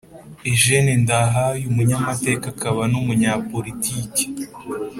eugène ndahayo, umunyamateka akaba n' umunyapolitike,